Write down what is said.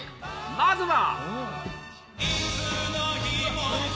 まずは。